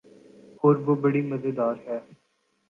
اوروہ بڑی مزیدار ہے۔